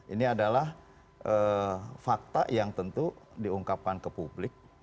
ini adalah fakta yang tentu diungkapkan ke publik